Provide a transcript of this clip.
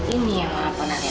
ini yang mama pernah lihat